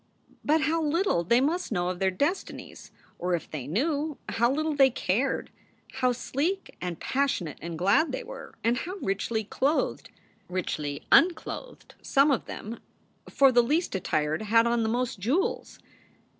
But how little they must know of their des tinies ! Or, if they knew, how little they cared ! How sleek and passionate and glad they were, and how richly clothed ! richly unclothed, some of them; for the least attired had on the most jewels.